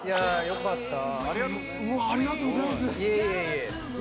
よかった。